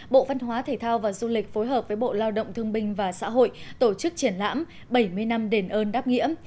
bộ văn hóa thể thao và du lịch phối hợp với bộ lao động thương binh và xã hội tổ chức triển lãm bảy mươi năm đền ơn đáp nghĩa